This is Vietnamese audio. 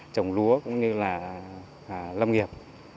trồng lúa cũng như là lâm nghiệp